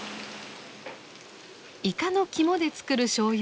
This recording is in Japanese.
イカの肝で造るしょうゆ